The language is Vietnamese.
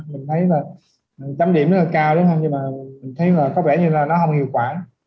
mình thấy là chấm điểm rất là cao nhưng mà mình thấy là có vẻ như là nó không hiệu quả